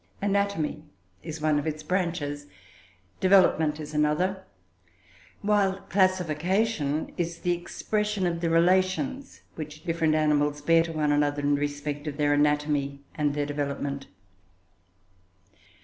Anatomy is one of its branches; development is another; while classification is the expression of the relations which different animals bear to one another, in respect of their anatomy and their development.